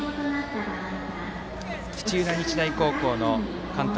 土浦日大高校の監督